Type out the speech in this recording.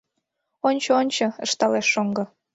— Ончо-ончо, — ышталеш шоҥго.